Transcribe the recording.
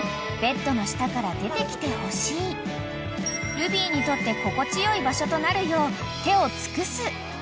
［ルビーにとって心地よい場所となるよう手を尽くす］